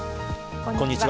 こんにちは。